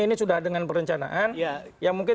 ini sudah dengan perencanaan ya mungkin